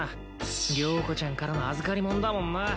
了子ちゃんからの預かり物だもんな